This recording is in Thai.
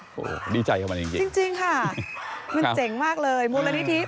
โอ้โหดีใจกับมันจริงจริงค่ะมันเจ๋งมากเลยมูลนิธิ